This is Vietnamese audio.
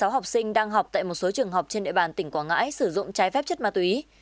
sáu học sinh đang học tại một số trường học trên địa bàn tỉnh quảng ngãi sử dụng trái phép chất ma túy